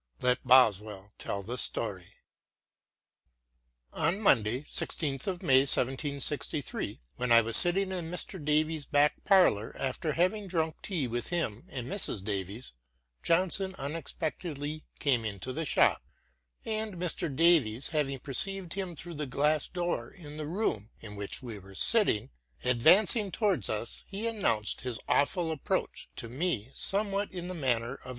Let Boswell tell the story : On Monday, i6th of May, 1763, when I was sitting in Mr. Davies' back parlour after having drunk tea with him and Mrs. Davies, Johnson unexpectedly came into the shop ; and Mr. Davies having perceived him through the glass door in the room in which we were sitting, advancing towards us — ^he announced his awful approach to me somewhat in the manner of * Boswell's " Life of Johnson."